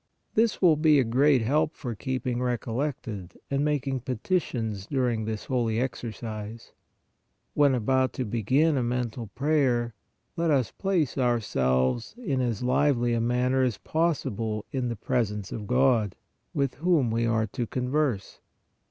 This will be a great help for keeping recollected and mak ing petitions during this holy exercise. When about to begin mental prayer let us place ourselves in as lively a manner as possible in the presence of God with whom we are to converse.